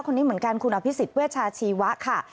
คนนี้เหมือนกันคุณอภิษฎเวชาชีวะค่ะ